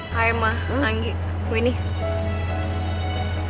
hai ma anggi winnie